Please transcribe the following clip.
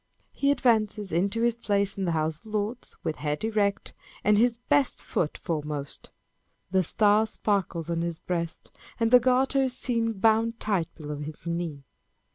He advances into his place in the House of Lords, with head erect, and his best foot foremost. The star sparkles on his breast, and the garter is seen bound tight below his knee.